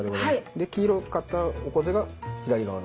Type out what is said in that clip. で黄色かったオコゼが左側の。